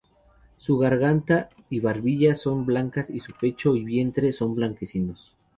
Su garganta y barbilla son blancas y su pecho y vientre son blanquecinos.